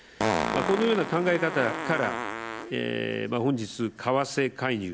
このような考え方から本日、為替介入